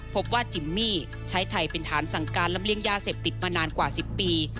พบว่าจิมมี่ใช้ไทยเป็นฐานสั่งการลำเลียงยาเสพติดมานานกว่า๑๐ปี